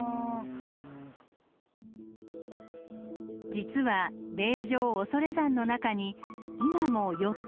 実は霊場恐山の中に今も４つの温泉があります。